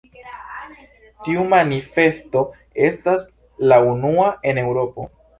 Tiu manifesto estas la unua en Eŭropo.